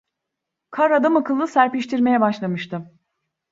Kar adamakıllı serpiştirmeye başlamıştı.